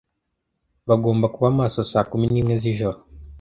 Bagomba kuba maso saa kumi nimwe zijoro.